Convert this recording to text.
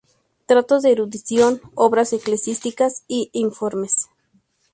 Tratados de erudición, obras eclesiásticas e informes.